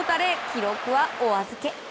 記録はお預け。